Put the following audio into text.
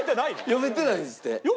読めてないんですって。